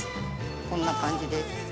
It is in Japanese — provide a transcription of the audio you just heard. こんな感じで。